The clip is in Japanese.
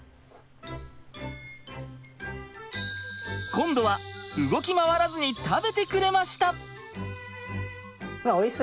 今度は動き回らずに食べてくれました！